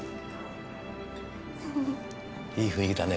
いい雰囲気だね。